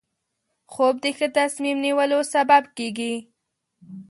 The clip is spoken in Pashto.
خوب د ښه تصمیم نیولو سبب کېږي